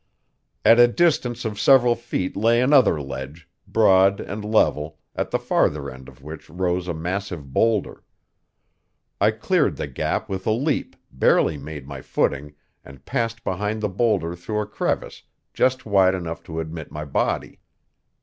At a distance of several feet lay another ledge, broad and level, at the farther end of which rose a massive boulder. I cleared the gap with a leap, barely made my footing, and passed behind the boulder through a crevice just wide enough to admit my body.